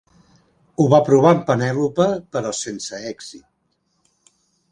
Ho va provar amb Penèlope, però sense èxit.